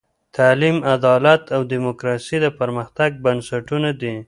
تعلیم، عدالت او دیموکراسي د پرمختګ بنسټونه دي.